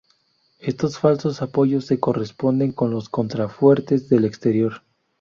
Estos falsos apoyos se corresponden con los contrafuertes del exterior.